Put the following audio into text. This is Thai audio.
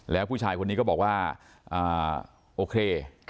แล้วผู้ชายคนนี้ก็บอกว่าโอเค